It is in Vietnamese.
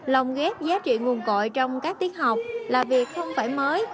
lồng ghép giá trị nguồn cội trong các tiết học là việc không phải mới